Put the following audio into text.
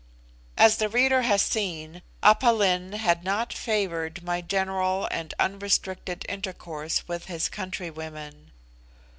As the reader has seen, Aph Lin had not favoured my general and unrestricted intercourse with his countrywomen.